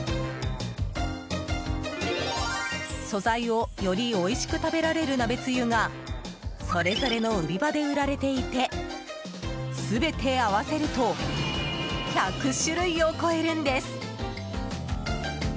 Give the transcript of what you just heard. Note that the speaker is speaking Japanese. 素材をよりおいしく食べられる鍋つゆがそれぞれの売り場で売られていて全て合わせると１００種類を超えるんです。